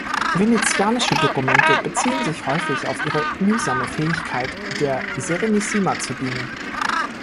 Venezianische Dokumente beziehen sich häufig auf ihre „mühsame“ Fähigkeit, der Serenissima zu dienen.